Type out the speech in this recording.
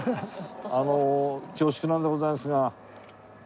あの恐縮なんでございますが。